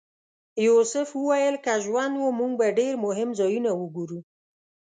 یوسف وویل که ژوند و موږ به ډېر مهم ځایونه وګورو.